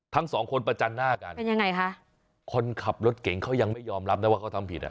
ทั้งสองคนประจันหน้ากันเป็นยังไงคะคนขับรถเก่งเขายังไม่ยอมรับนะว่าเขาทำผิดอ่ะ